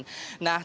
nah terselain itu